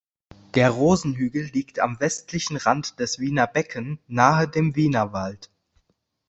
Der Rosenhügel liegt am westlichen Rand des Wiener Becken nahe dem Wienerwald.